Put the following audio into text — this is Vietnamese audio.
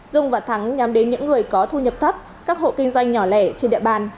dung và thắng nhắm đến những người có thu nhập thấp các hộ kinh doanh nhỏ lẻ trên địa bàn